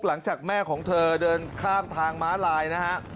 หลังจากแม่ของเธอเดินข้ามทางม้าลายนะฮะ